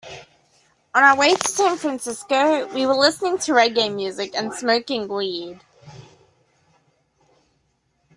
On our way to San Francisco, we were listening to reggae music and smoking weed.